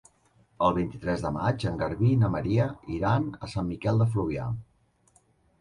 El vint-i-tres de maig en Garbí i na Maria iran a Sant Miquel de Fluvià.